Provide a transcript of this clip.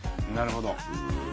なるほど。